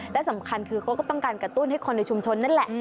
และสำคัญคือเขาก็ต้องการกระตุ้นให้คนในชุมชนนั่นแหละ